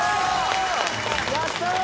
やったー！